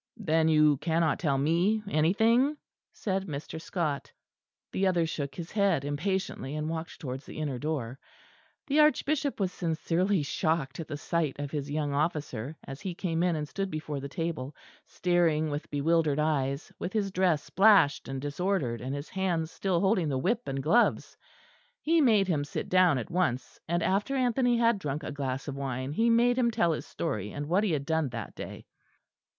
"Then you cannot tell me anything?" said Mr. Scot. The other shook his head impatiently, and walked towards the inner door. The Archbishop was sincerely shocked at the sight of his young officer, as he came in and stood before the table, staring with bewildered eyes, with his dress splashed and disordered, and his hands still holding the whip and gloves. He made him sit down at once, and after Anthony had drunk a glass of wine, he made him tell his story and what he had done that day.